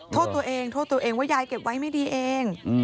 โทษตัวเองโทษตัวเองว่ายายเก็บไว้ไม่ดีเอง